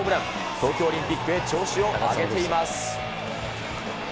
東京オリンピックへ調子を上げています。